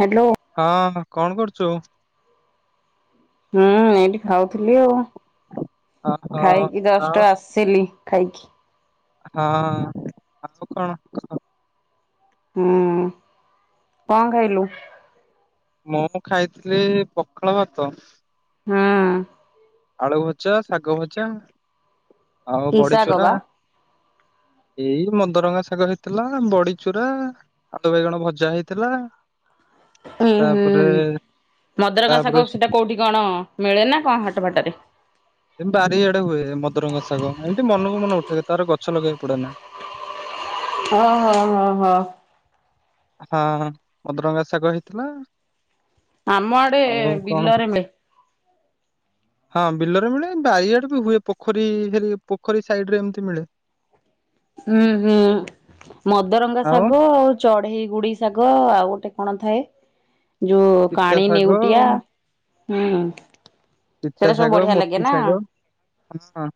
Hello. ହଁ କ'ଣ କରୁଛୁ? ହୁଁ ଏଇଠି ଖାଉଥିଲି ଆଉ ଓହୋ ଖାଇକି ଆଉ ଜଷ୍ଟ ଆସ ସେଲି ଖାଇକି ହଁ ଆଉ କ'ଣ କହ ହୁଁ କ'ଣ ଖାଇଲୁ? ମୁଁ ଖାଇଥିଲି ପଖାଳ ଭାତ ହଁ ଆଳୁ ଭଜା ଶାଗ ଭଜା ଆଉ କି ବଡି ଶାଗ ଚୁରା [inaudible] ଏଇ ମଦରଙ୍ଗା ଶାଗ ହେଇଥିଲା ବଡିଚୁରା ଆଳୁ ବାଇଗଣ ଭଜା ହେଇଥିଲା। ଉୁଁ ହୁଁ ତାପରେ ମଦରଙ୍ଗ ତାପରେ ଶାଗ ସ- ସେଟା କୋଉଠି କ'ଣ ମିଳେ ନା କ'ଣ ହାଟ ବାଟ ରେ ଏମ୍ -ବାରିଆଡେ ହୁଏ ମଦରଙ୍ଗା ଶାଗ ଏମିତି ମନକୁ ମନ ଉଠେ ତାର ଗଛ ଲଗେଇବାକୁ ପଡେ ନା ଓ- ହ -ହ -ହ। ହଁ ମଦରଙ୍ଗା ଶାଗ ହେଇଥିଲା। ଆମ ଆଡେ ଆଉ କଣ ବିଲରେ ମିଳେ। ହଁ ବିଲରେ ମିଳେ ବାରି ଆଡ଼େ ବି ହୁଏ ପୋଖରୀ- ପୋଖରୀ ସାଇଡ ରେ ଏମିତି ମିଳେ। ହୁଁ -ହୁଁ ମଦରଙ୍ଗା ଶାଗ ଆଉ ଚଢେଇ ଗୁଡି ଶାଗ ଆଉ ଗୋଟେ କଣ ଥାଏ ଯଉ ପିତା କାଣି ନେଉଟିଆ ଶାଗ ହୁଁ। ପିତା ସେଟା ସବୁ ଶାଗ, ବଢିଆ ଲାଗେ ମୋତି ନା ଶାଗ ହଁ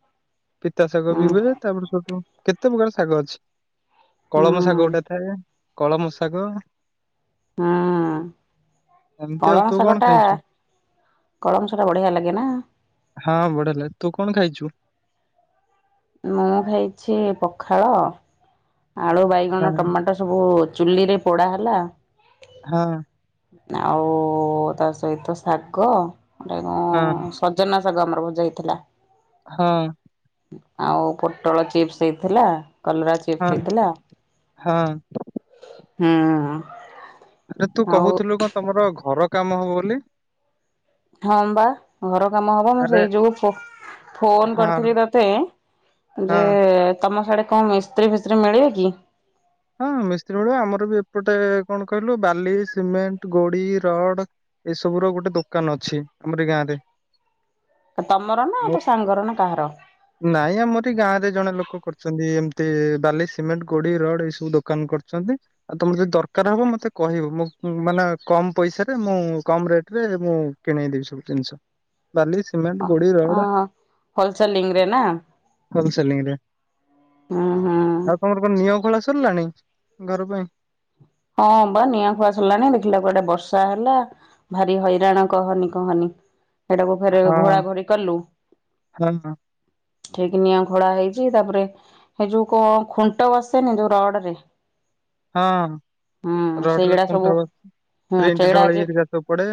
ପିତା ଶାଗ ହୁଁ ବି ହୁଏ ତାପରେ ସେଠୁ କେତେ ପ୍ରକାର ଶାଗ ଅଛି। କଳମ ଶାଗ ହୁଁ ଗୋଟେ ଥାଏ କଳମ ଶାଗ ହୁଁ ଏମିତି ଆଉ କଳମ ତୁ କଣ ଶାଗ ଟା ଖାଇଛୁ କଳମ ଶାଗ ଟା ବଢିଆ ଲାଗେ ନା। ହଁ ବଢିଆ ଲାଗେ। ତୁ କଣ ଖାଇଚୁ? ମୁଁ ଖାଇଚି ପଖାଳ ଆଳୁ, ବାଇଗଣ, ହଁ ଟମାଟୋ ସବୁ ଚୁଲିରେ ପୋଡ଼ା ହେଲା ହଁ। ଆଉ ତା ସହିତ ଶାଗ ହେଟା କଣ ହଁ। ସଜନା ଶାଗ ଆମର ଭଜା ହେଇଥିଲା। ହଁ। ଆଉ ପୋଟଳ ଚିପ୍ସ ହେଇଥିଲା କଲରା ଚିପ୍ସ ହଁ ହେଇଥିଲା ହଁ ହୁଁ। ଆରେ ତୁ ଆଉ କହୁଥିଲୁ କଣ ତମର ଘର କାମ ହବ ବୋଲି। ହଁ ବା ଘର କାମ ହବ ମୁଁ ଆରେ ସେଇ ଯୋଗୁ ଫୋ- ଫୋନ୍ ହଁ କରିଥିଲି ତତେ ହଁ ଯେ ତମ ସିଆଡେ କଣ ମିସ୍ତ୍ରୀ ଫିସ୍ତ୍ରୀ ମିଳିବେ କି? ହଁ ମିସ୍ତ୍ରୀ ମିଳିବ ଆମର ବି ଏପଟେ କଣ କହିଲୁ ବାଲି, ସିମେଣ୍ଟ, ଗୋଡି, ରଡ୍ ଏଇ ସବୁ ର ଗୋଟେ ଦୋକାନ ଅଛି ଆମର ଏଇ ଗାଁରେ। ତମର ନା ତୋ ସାଙ୍ଗର ନା କାହାର? ନାଇଁ ଆମର ଏଇ ଗାଁରେ ଜଣେ ଲୋକ କରିଚନ୍ତି ଏମିତି ବାଲି, ସିମେଣ୍ଟ, ଗୋଡି, ରଡ୍ ଏସବୁ। ବୁ ଦୋକାନ କରିଚନ୍ତି। ଆଉ ତମର ଯଦି ଦରକାର୍ ହବ ମତେ କହିବ ମୁଁ ମାନେ କମ୍ ପଇସାରେ ମୁଁ କମ୍ ରେଟ୍ ରେ ମୁଁ କିଣେଇଦେବି ସବୁ ଜିନିଷ। ବାଲି, ସିମେଣ୍ଟ, ଗୋଡି, ଓହୋ ରଡ୍ ହୋଲସେଲିଂ ରେ ନା ହୋଲସେଲିଂରେ। ଉଁ -ହଁ। ଆଉ ତମର କଣ ନିଁଅ ଖୋଳା ସରିଲାଣି ଘର ପାଇଁ? ହଁ ବା ନିଁଅ ଖୋଳା ସରିଲାଣି ଦେଖିଲାବେଳ କୁ ଆଡେ ବର୍ଷା ହେଲା ଭାରି ହଇରାଣ କହନି କହନି। ହେଟାକୁ ଫେରେ ହଁ ଘୋଡ଼ା ଘୋଡି କଲୁ। ହଁ ହଁ ଠିକି ନିଁଅ ଖୋଳା ହେଇଚି ତାପରେ ହେଇ ଯଉ କଣ ଖୁଣ୍ଟ ବସେନି ଯଉ ରଡ୍ ରେ? ହଁ ହୁଁ ରଡ୍ ରେ ସେଇଗୁଡା ସବୁ ଖୁଣ୍ଟ ହୁଁ ବ-ପ୍ରିଣ୍ଟ ସେଇଗୁଡା ଆଜି ଢଳେଇ ହେରିକା ସବୁ ପଡେ।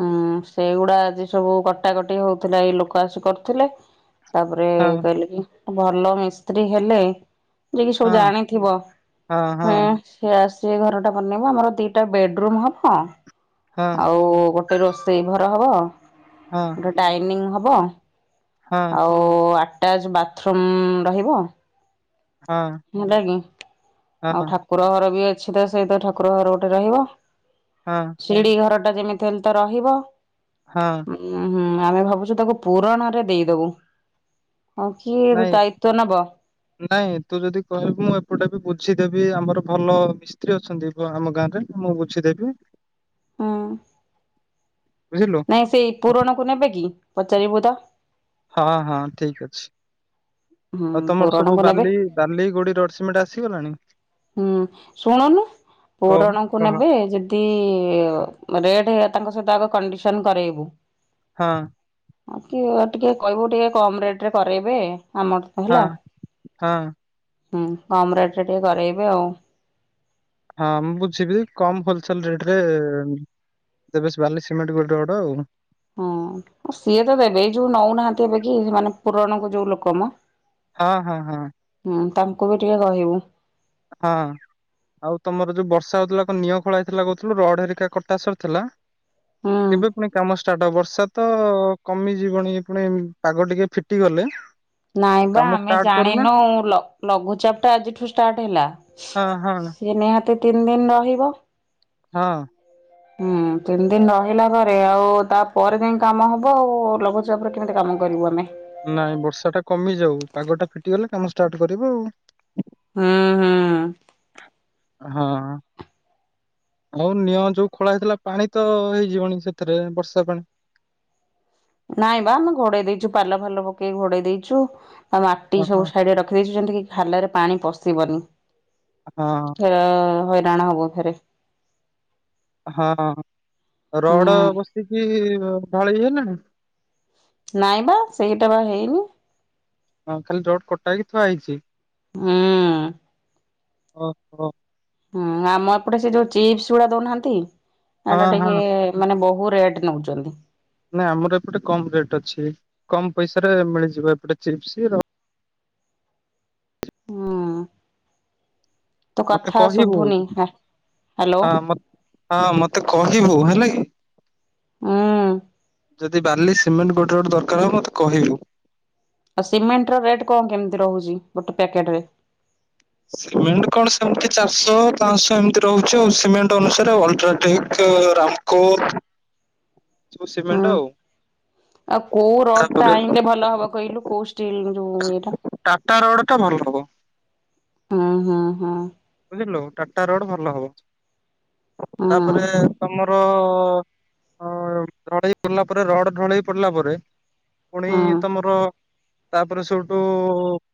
ହୁଁ ସେଗୁଡା ଆଜି ସବୁ କଟାକଟି ହଉଥିଲା ଏଇ ଲୋକ ଆସି କରୁଥିଲେ ତାପରେ ହଁ କହିଲେ କି ଭଲ ମିସ୍ତ୍ରୀ ହେଲେ ଯିଏ କିି ସବୁ ହଁ ଜାଣିଥିବ- ହଁ। ସେ ଆସି ଘରଟା ବନେଇବ ଆମର ଦିଟା ବେଡରୁୁମ୍ ହବ ହଁ ଆଉ ଗୋଟ୍ ଟେ ରୋଷେଇ ଘର ହବ ହଁ। ଡାଇନିଙ୍ଗ୍ ହବ ଆଉ ଆଟାଜ୍ ବାଥରୁମ୍ ରହିବ ହଁ। ହେଲା କି ହଁ ଆଉ ଠାକୁର ଘର ବି ଅଛି ତ ସେଇତ ଠାକୁର ଘର ଗୋଟେ ରହିବ। ହଁ। ଶିଡ଼ିଘରଟା ଯେମିତି ହେଲେ ତ ରହିବ। ହଁ। ଉ ହୁଁ ଆମେ ଭାବୁଚୁ ତାକୁ ପୁରଣରେ ଦେଇଦବୁ। ଆଉ କିଏ ନାଇଁ ଦାୟିତ୍ଵ ନବ? ନାଇଁ ତୁ ଯଦି କହିବୁ ମୁଁ ଏପଟେ ବି ବୁଝିଦେବି ଆମର ଭଲ ମିସ୍ତ୍ରୀ ଅଛନ୍ତି ବ ଆମ ଗାଁରେ ମୁଁ ବୁଝିଦେବି। ହୁଁ। ବୁଝିଲୁ। ନାଇଁ ସେଇ ପୁରଣକୁ ନେବେ କି ପଚାରିବୁ ତ। ହଁ ହଁ ଠିକ୍ ଅଛି। ହୁଁ ଆଉ ତମର ସବୁ ପୁରଣକୁ ନେବେ। ବାଲି ବାଲି ଗୋଡ଼ି ରଡ଼ ସିମେଣ୍ଟ ଆସିଗଲାଣି? ହୁଁ ଶୁଣୁନୁ କହୁନୁ ପୋରଣକୁ କହ ନେବେ ଯେ ତି ରେଟ୍ ତାଙ୍କ ସହିତ ଆଗ କଣ୍ଡିସନ୍ କରେଇବୁ। ହଁ। ଆଉ ଟିକେ ଟିକେ କହିବୁ ଟିକେ କମ ରେଟ୍ ରେ କରେଇବେ ଆମର। ହେଲା ହଁ ହଁ ହୁଁ କମ୍ ରେଟେରେ ଟିକେ କରେଇବେ ଆଉ। ହଁ ମୁଁ ବୁଝିବି କମ୍ ହୋଲସେଲ୍ ରେଟ୍ ରେ ତେ ବେଶ୍ ବାଲି ସିମେଣ୍ଟ ଗୋଟେ ଗୋଡ଼ ଆଉ। ହଁ ସିଏତ ଦେବେ ଏଇ ଯୋଉ ନଉନାହାନ୍ତି ଏବେ କି ମାନେ ପୁରଣକ ଯୋଉ ଲୋକମୋ ହଁ ହଁ ହଁ। ହୁଁ ତାଙ୍କୁ ବି ଟିକେ କହିବୁ। ହଁ। ଆଉ ତମର ଯୋଉ ବର୍ଷା ହଉଥିଲା ନିଅଁ ଖଳାଇଥିଲା କହୁଉଥିଲୁ ରଡ଼ ହେରିକା କଟାସରି ଥିଲା ହୁଁ କେବେ ପୁଣି କାମ ଷ୍ଟାର୍ଟ ହବ ବର୍ଷାତ ତ କମିଯିବଣି ପୁଣି ପାଗ ଟିକେ ଫିଟିଗଲେ। ଆଉ ନାଇଁ ବା କାମ ଆମେ ଷ୍ଟାର୍ଟ କରୁନା ଜାଣିନୁ ଲଘୁ ଲଘୁଚାପଟା ଆଜିଠୁ ଷ୍ଟାର୍ଟ ହେଲା। ହଁ ହଁ ସିଏ ନିହାତି ତିନି ଦିନି ରହିବ। ହଁ। ହୁଁ ତିନି ଦିନ ରହିଲା ପରେ ଆଉ ତା ପରେ ଯାଇ କାମ ହବ ଆଉ ଲଘୁଚା ଜବର କେମିତି କାମ କରିବୁ ଆମେ। ନାଇଁ ବର୍ଷା ଟା କମିଯାଉ ପାଗ ଟା ଫିଟିଗଲେ କାମ ଷ୍ଟାର୍ଟ କରିବୁ ଆଉ। ହୁଁ ହୁଁ। ହଁ। ହଉ ନିଅଁ ଯୋଉ ଖୋଳା ହେଇଥିଲା ପାଣି ତ ହେଇଯିବଣି ସେଥିରେ ବର୍ଷା ପାଣି ନାଇଁ ବା ଆମେ ଘୋଡେ଼ଇ ଦେଇଛୁ ପାଲ ଫାଲ ପକେଇକି ଘୋଡେ଼ଇ ଦେଇଛୁ। ଆଉ ମାଟି ଓହୋ ସବୁ ସାଇଡ଼ରେ ରଖିଦେଇଚୁ ଯେମତି କି ଖାଲରେ ପାଣି ପଶିବନି। ହଁ। ହେରା ହଇରାଣ ହବୁଫେରେ। ହଁ ହଁ ରଡ଼ ହୁଁ ବସିକି ଉ ଢାଳିବେନା? ନାଇଁ ମୋ ସେଇଟାବା ହେଇନି। ହଁ ଖାଲି ରଡ଼ କଟାହେଇକି ଥୁଆ ହେଇଚି? ହୁଁ। ଓହୋ। ହୁଁ ଆମ ଏପଟେ ସେ ଯୋଉ ଚିପ୍ସ ଗୁଡ଼ା ଦଉନାହାନ୍ତି ହଁ ସେଟା ହଁ। ଟିକେ ମାନେ ବହୁ ରେଟ୍ ନେଉଚନ୍ତି। ନାଇଁ ଆମର ଏପଟେ କମ୍ ରେଟ୍ ଅଛି କମ୍ ପଇସାରେ ମିଳିଯିବ ଏପଟେ ଚିପ୍ସ୍ ର ହଁ। ମତେ କହିବୁ ଶୁଭୁନି ହ୍ୟାଲୋ ହଁ ମ ହଁ ମତେ କହିବୁ ହେଲା କି। ହୁଁ। ଯଦି ବାଲି ସିମେଣ୍ଟ ଗୋଟେ ଗୋଟେ ଦରକାର ହବ ମତେ କହିବୁ। ଆଉ ସିମେଣ୍ଟର ରେଟ୍ କଣ କେମିତି ରହୁଯି ଗୋଟେ ପ୍ୟାକେଟରେ। ସିମେଣ୍ଟ କଣ ସେମିତି ଚାରିଶହ ପାଶହ ଏମିତି ରହୁଛି ଆଉ ସିମେଣ୍ଟ ଅନୁସାରେ ଅଲଟ୍ରାଟେକ। ରାମକୁତ୍ ହଁ ଆଉ କୋଉ ରଡଟା ତାପରେ ଆଇଁଲେ ଭଲ ହବ କହିଲୁ କୋଉ ଷ୍ଟିଲରୁ। ଟାଟା ରଡଟା ଭଲ ହବ। ହଁ ହଁ ହଁ। ବୁଝିଲୁ ଟାଟା ରଡ ଭଲ ହବ ହୁଁ ତାପରେ ତମ ଢଳେଇ ପଡିଲା ପରେ ରଡ ଢଳେଇ ପଡିଲା ପରେ ପୁଣି ହୁଁ ତମର ତାପରେ ସେଉଠୁ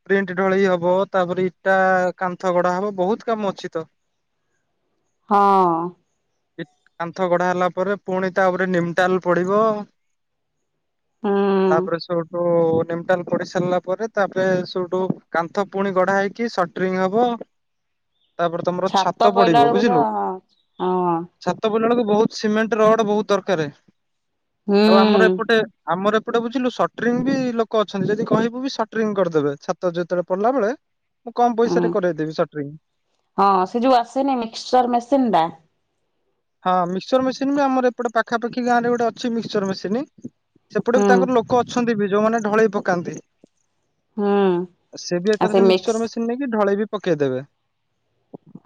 ପ୍ରିଣ୍ଟ ଢଳେଇ ହବ ତାପରେ ଇଟା କାନ୍ଥ ଗଡା ହବ ବହୁତ୍ କାମ ଅଛି ତ। ହଁ। କାନ୍ଥ ଗଢା ହେଲା ପରେ ପୁଣି ତାପରେ ନିମଟାଲ ପଡିବ। ହୁଁ ତାପରେ ସେଉଠୁ ଓ ନିମଟାଲ ପଡି ସାରିଲା ପରେ ତାପରେ ସେଉଠୁ କାନ୍ଥ ପୁଣି ଗଢା ହେଇକି ସଟରିଙ୍ଗ ହବ। ତାପରେ ତମର ଛାତ ପଇଲା ପଡିବ ବେଳକୁ ତ ବୁଝିଲୁ। ହଁ ଛାତ ପିଡିଲା ବେଳକୁ ବହୁତ ସିମେଣ୍ଟ ରଡ ବହୁତ ଦରକାରେ। ହୁଁ। ଆମର ଏପଟେ ଆମର ଏପଟେ ବୁଝିଲୁ ସଟରିଙ୍ଗ ବି ଲୋକ ଅଛନ୍ତି ଯଦି କହିବୁ ବି ସଟରିଙ୍ଗ କରିଦେବେ ଛା ତ ଯେତେବେଳେ ପଡିଲା ବେଳେ ମୁଁ କମ୍ ପଇସାରେ ହୁଁ କରେଇଦେବି ସ ହଁ ସେ ଯୋଉ ଆସେନି ମିକ୍ସଚର ମେସିନି ଡା ହଁ ମିକ୍ସଚର ମେସିନି ବି ଆମର ଏପଟେ ପାଖାପାଖି ଗାଁରେ ଗୋଟେ ଅଛି ମିକ୍ସର ମେସିନି। ସେପଟେ ହୁଁ ବି ତାଙ୍କର ଲୋକ ଅଛନ୍ତି ବି ଯୋଉମାନେ ଢଳେଇ ପକାନ୍ତି। ହୁଁ ସେ ବି ଆଉ ଏକାଥରେ ମିକ୍ସ ମିକ୍ସଚର ମେସିନ୍ ନେଇକି ଢଳେଇ ବି ପକେଇଦେବେ।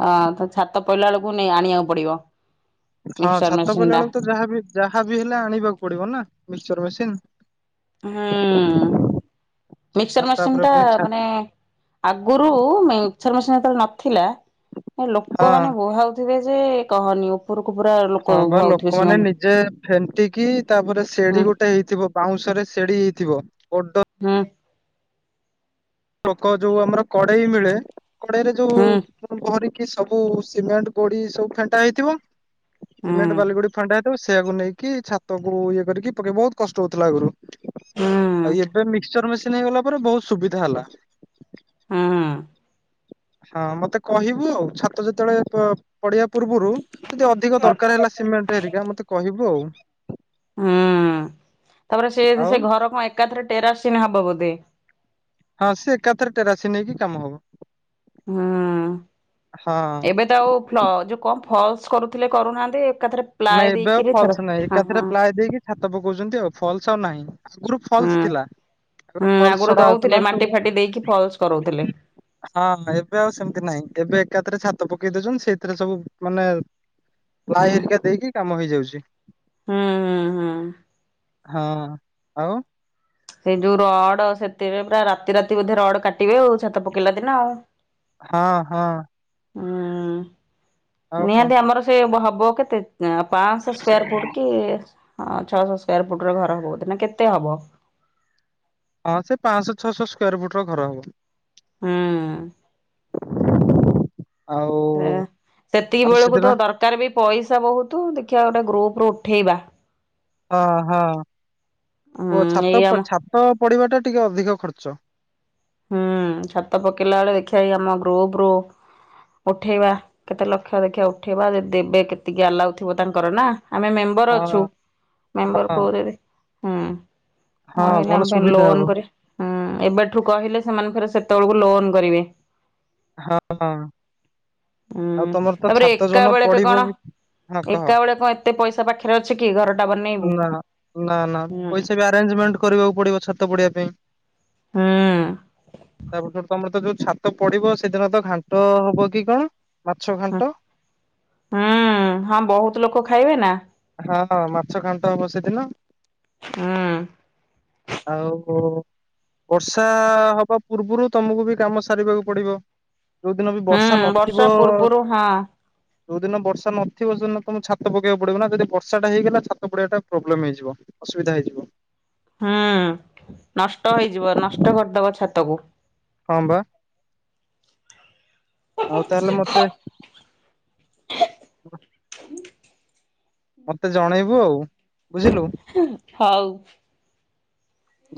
ହଁ ତ ଛାତ ପଡଇଲାବେଳକୁ ନେଇ ଆଣିବାକୁ ପଡିବ। ହଁ ମିକ୍ସଚର ଛାତ ମେସିନ ପିଇଲା ଟା ବେଳକୁ ତ ଯାହା ଯାହାବି ହେଲେ ଆଣିବାକୁ ପଡିବ ନା ମିକ୍ସଚର ମେସିନ୍। ହୁଁ ମିକ୍ସର ଆଉ ମେସିନି ତାପରେ ଟା ପୁଣି ଛା ମାନେ ଆଗରୁ ମିକ୍ସଚର ମେସିନି ଯେତେବେଳେ ନଥିଲା ହଁ ଲୋକମାନେ ବୁହାଉ ଥିବେ ଯେ କହନି ଉ ଉପୁରକୁ ପୁରା ହଁ ଲୋକ ବା ବୁହାଉଥିବେ ଲୋକମାନେ ସେମାନେ ନିଜେ ଫେଣ୍ଟିକି ତାପରେ ହୁଁ ସେଢ଼ି ଗୋ ହେଇଥିବ ବାଉଁଶରେ ସେଡି ହେଇଥିବ ବଡ ହୁଁ। ଲୋକ ଯୋଉ ଆମର କଡେଇ ମିଳେ କଡେଇରେ ଯୋଉ ହୁଁ ଭରିକି ସବୁ ସିମେଣ୍ଟ ଗୋଡି ସବୁ ଫେଣ୍ଟା ହେଇଥିବ ହୁଁ ସିମେଣ୍ଟ ବାଲି, ଗୋଡି ଥଣ୍ଡା ହେଇଥିବ ସେଇଆକୁ ନେଇକି ଛାତକୁ ଇଏ କରିକି ପକେଇ ବହୁତ କଷ୍ଟ ହଉଥିଲା ଆଗୁରୁ। ଆଉ ହୁଁ ଏବେ ମିକ୍ସଚର ମେସିନି ହେଇଗଲା ପରେ ବହୁତ ସୁବିଧା ହେଲା। ହୁଁ। ହଁ ମତେ କହିବୁ ଆଉ ଛାତ ଯେତେବେଳେ ପ ପଡ଼ିବା ପୂର୍ବରୁ ଯଦି ଅଧିକ ଦରକାର ହେଲା ସିମେଣ୍ଟ ହେରିକା ମତେ କହିବୁ ଆଉ। ହୁଁ ତାପରେ ସେ ଆଉ ସେ ଘର କଣ ଏକାଥରେ ଟେରାସିନ୍ ହବ ବୋଧେ। ହଁ ସିଏ ଏକାଥରେ ଟେରାସି ନେଇକି କାମ ହବ। ହଁ ହଁ ଏବେ ଆଉ ଫ୍ଲ ଯୋଉ କଣ ଫ୍ଲସ୍ କରୁଥିଲେ କରୁନାହାନ୍ତି ଏକାଥରେ ପ୍ଲାଏ ନାଇଁ ଏବେ ଆଉ ଦେଇକିରି ଛାଡ ଫ୍ଲସ୍ ନାଇଁ ହଁ ଏକାଥରେ ହଁ ପ୍ଲାଏ ଦେଇକି ଛାତ ପକଉଛନ୍ତି ଆଉ ଫ୍ଲସ୍ ଆଉ ନାହିଁ ଆଗୁରୁ ଫ୍ଲସ୍ ହୁଁ ଥିଲା ତାପରେ ହୁଁ ଫ୍ଲସ୍ ଆଗରୁ ଛଡା ଦଉଥିଲେ ହଉଥିଲା ସ ମାଟି ଫାଟି ଦେଇକି ଫଲସ କରଉଥିଲେ ହଁ ଏବେ ଆଉ ସେମିତି ନାହିଁ ଏବେ ଏକାଥରେ ଛାତ ପକେଇ ଦଉଛନ୍ତି ସେଇଥିରେ ସବୁ ମାନେ ପ୍ଲାଏ ହୁଁ ହେରିକା ଦେଇକି କାମ ହେଇଯାଉଛି। ହୁଁ, ହୁଁ, ହୁଁ। ହଁ ଆଉ? ସେଇ ଯୋଉ ରଡ ସେଥିରେ ପୁରା ରାତି ରାତି ବୋଧେ ରଡ କାଟିବେ ଆଉ ଛାତ ପକେଇଲା ଦିନ ଆଉ। ହଁ ହଁ। ହୁଁ ଆଉ କଣ ନିହାତି ଆମର ସେ ବହବ କେତେ ପାଞ୍ଚଶହ ସ୍କ୍ୟାର ଫୁଟ୍ କି ଛଅଶହ ସ୍କ୍ୟାର ଫୁଟ ର ଘର ହବ ବୋଧେ ନା କେତେ ହବ? ହଁ ସେ ପାଞ୍ଚଶହ ଛଅଶହ ସ୍କ୍ୟାର ଫୁଟ ର ଘର ହବ। ହଁ। ଆଉ ସେତିକି ଆଉ ବେଳକୁ ସେଦିନ ତ ଦରକାର ବି ପଇସା ବହୁତ ଦେଖିବା ଗୋଟେ ଗ୍ରୁପ ରୁ ଉଠେଇବା। ହଁ ହଁ ଓ ହୁଁ ଏଇ ଆମ ଛାତପ ଛାତ ପଡିବା ଟା ଟିକେ ଅଧିକ ଖର୍ଚ୍ଚ। ହୁଁ ଛାତ ପକେଇଲା ବେଳେ ଦେଖିବା ଆମ ଗୁରୂପ ରୁ ଉଠେଇବା କେତେ ଲକ୍ଷ ଦେଖିଆ ଉଠେଇବା ଦଦି ଦେବେ କେତିକି ଆଲାଉ ଥିବ ତାଙ୍କର ନା ଆମେ ମେମ୍ ବର ହଁ ଅଛୁ ମେମ୍ବର ହଁ କୋରେବେ ହୁଁ। ଆଉ ହଁ ଭଲ ଲାମ୍ବା ସୁବିଧା ଲୋନ ହବ। କରିଆ ହୁଁ ଏବେଠୁ କହିଲେ ସେମାନେ ଫରେ ସେତେବେଳକୁ ଲୋନ କରିବେ। ହଁ ଆଉ ହୁଁ ତମର ତ ତାପରେ ଛାତ ଏକା ଯୋଉଦିନ ବେଳେକେ କଣ ପଡିବ ବି ହଁ କହ ଏକା ବେଳେ କଣ ଏତେ ପଇସା ପାଖରେ ଅଛି କି ଘରଟା ବନେଇବୁ ନା ନା ନା ହୁଁ ପଇସାବି ଆ ରେଞ୍ଜମେଣ୍ଟ କରିବାକୁ ପଡିବ ଛାତ ପଡିବା ପାଇଁ। ହୁଁ ତାପରେ ତମର ତ ଯୋଉଛା ତ ପଡିବ ସେଦିନ ତ ଘାଣ୍ଟ ହବ କି କଣ ମାଛ ଘାଣ୍ଟ? ହୁଁ ହଁ ବହୁତ ଲୋକ ଖାଇବେ ନା। ହଁ ମାଛ ଘାଣ୍ଟ ହବ ସେଦିନ ହୁଁ ଆଉ ବର୍ଷା ହବା ପୂର୍ବରୁ ତମକୁ ବି କାମ ସାରିବାକୁ ପଡିବ। ଯୋଉଦିନ ବି ହୁଁ ବର୍ଷା ନଥିବ ପୂର୍ବରୁ ହଁ ଯୋଉଦିନ ବର୍ଷା ନଥିବ ସେଦିନ ତମ ଛାତ ପକବାକୁ ପଡିବ କିନା ଯଦି ବର୍ଷାଟା ହେଇଗଲା ଛାତ ପଡ଼ିବାଟା ପ୍ରବଲେମ୍ ହେଇଯିବ ଅସୁବିଧା ହୋଇଯିବ। ହୁଁ ନଷ୍ଟ ହେଇଯିବ ନଷ୍ଟ କରିଦବ ଛାତକୁ। ହଁ ବା। ଆଉ ତାହେଲେ ମତେ ହ ଆଉ। ବୁଝିଲୁ ହଉ।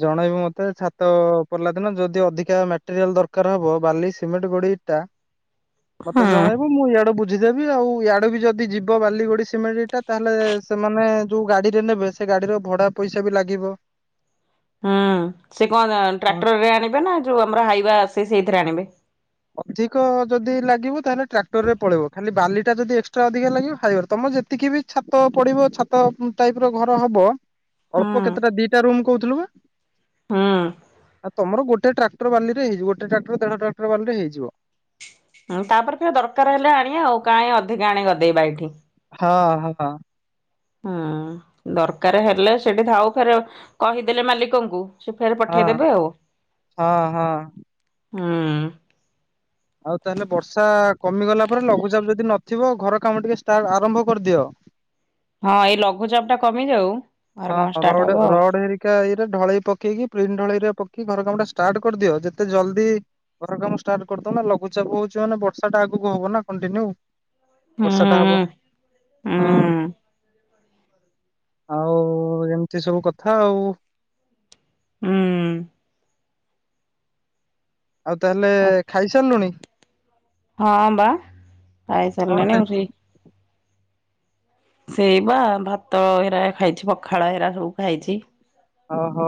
ଜଣେଇବୁ ମତେ ଛାତ ପଡିଲା ଦିନ ଯଦି ଅଧିକା ମେଟେରିଆଲ ଦରକାର ହବ ବାଲି, ସିମେଣ୍ଟ, ଗୋଡି, ଇଟା ମତେ ହଁ। ଜଣେଇବ ମୁଁ ଇଆଡେ ବୁ ବୁଝିଦେବି ଆଉ ଇଆଡ଼େ ବି ଯଦି ଯିବ ବାଲି, ଗୁଡ଼ି ସିମେ, ଣ୍ଟଟା ତାହେଲେ ସେମାନେ ଯେଉଁ ଗାଡ଼ିରେ ନେବେ ସ୍ ସେ ଗାଡିର ଭଡା ପଇସା ବି ଲାଗିବ। ହୁଁ ସେ କଣ ଟ୍ରାକ୍ଟରରେ ଆଣିବେ ନା ଯୋଉ ଆମର ହାଇୱା ଆସେ ସେଇଥିରେ ଆଣିବେ। ଅଧିକ ଯଦି ଲାଗିବ ତାହେଲେ ଟ୍ରାକ୍ଟର ରେ ପଳେଇବ ଖାଲି ବାଲି ଟା ଯଦି ଏକ୍ସଟ୍ରା ଅଧିକା ଲାଗିବ ହାଇବାର ତମେ ଯେତିକି ବି ଛାତ ପଡିବ ଛାତ ଟାଇପ ର ଘର ହବ ଅଳ୍ପ କେତେଟା ହଁ। ଦିଟା ରୁମ୍ କହୁଥିଲୁ ବା ଆ ତମର ଗୋଟୋ ଟ୍ରାକ ଟ୍ର ବାଲିରେ ହେଇଯ ଗୋଟେ ଟ୍ରାକ୍ର ଦେଢ ଟାକଟର ବାଲିରେ ହେଇଜିବ। ହୁଁ ତାପରେ ଫେର ଦରକାର ହେଲେ ଆଣିବା ଆଉ କାହି ଅଧିକା ଆଣିକି ଗଦେଇବା ଏଇଠି। ହଁ ହଁ। ହୁଁ ଦରକାର ହେଲେ ସେଠି ଧାଉ ଫେର କହିଦେଲେ ମାଲିକଙ୍କୁ ସେ ଫେର ପଠେଇଦେବେ ଆଉ ହଁ ହଁ। ହୁଁ। ଆଉ ତାହେଲେ ବର୍ଷା କମିଗଲା ପରେ ଲଘୁଚାପ ଯଦି ନଥିବ ଘର କାମ ଟିକେ ଷ୍ଟା ଆରମ୍ଭ କରିଦିଅ। ହଁ ଏଇ ଲଘୁଚାପ ଟା କମିଯାଉ ଘର ହଁ କାମ ଆମର ଷ୍ଟାର୍ଟ ଗୋଟେ ହବ ଆଉ। ରୋଡ ହେଇ କାଇରେ ଢଳେଇ ପକେଇକି ପ୍ରିନଟ୍ ଢଳେଇରେ ପକେଇି ଘର କାମ ଟା ଷ୍ଟାର୍ଟ କରିଦିଅ ଯେତେ ଜଲ୍ଦି ଘର କାମ ଷ୍ଟାର୍ଟ କରିଦଉ ନ ଲଘୁଚାପ ହଉଛି ମାନେ ବର୍ଷା ଟା ଆଗକୁ ହବ ନା କଣ୍ଟିନ୍ୟୁ। ହୁଁ ବର୍ଷା ଟା ହବ ହୁଁ ହଁ ଆଉ ଏମିତି ସବୁ କଥା ଆଉ। ହୁଁ ଆଉ ତାହେଲେ ଖାଇସାରିଲୁଣି? ହଁ ବା ଖାଇ କଣ ସାରିଲିଣି ଖାଇଛୁ ଆଉରି। ସେଇ ବା ଭାତ ଏରା ଖାଇଛି ପଖାଳ ଏରା ସବୁ ଖାଇଛି। ଓହୋ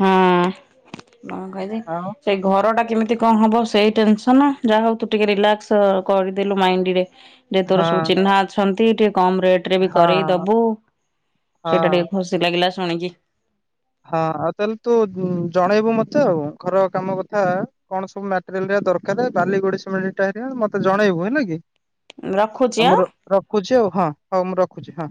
ହଁ କଣ ଆଉ [unintelligible] ସେ ଘର ଟା କେମିତି କଣ ହବ ସେଇ ଟେନସନ ଯାହା ହଉ ତୁ ଟିକେ ରିଲାକ୍ସ କରିଦେଲୁ ମାଇଣ୍ଡ ରେ। ଯେ ହଁ ତୋର ସବୁ ଚିହ୍ନା ଅଛନ୍ତି ଟିକେ କମ ରେଟ ରେ ବି ହଁ କରଇ ହଁ। ଦବୁ ସେଇଟା ଟିକେ ହଁ ଖସି ଶିଲାଗିଲା ଶୁଣିକି। ହଁ ଆଉ ତାହେଲେ ତୁ ଜଣେଇବୁ ମତେ ଆଉ ଘର କାମ କଥା କଣ ସବୁ ମେ ଦରକାର ଦାଲି ଗୋଡ଼ି ସିମେଣ୍ଟ ଇଟା ହେରିକା ମତେ ଜଣେଇବୁ ହେଲା କି। ରଖୁଛି ଆଉ ମୁଁ ଆଁ। ରଖୁଛି ଆଉ ହଁ ହଉ ମୁଁ ରଖୁଛି ହଁ।